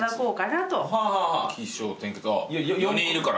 あっ４人いるから。